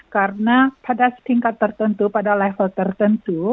karena pada tingkat tertentu pada level tertentu